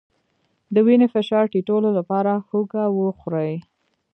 د وینې فشار ټیټولو لپاره هوږه وخورئ